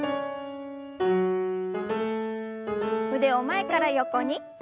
腕を前から横に。